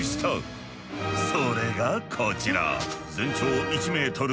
それがこちら。